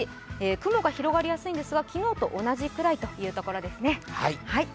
雲が広がりやすいんですが、昨日と同じくらいというところですね。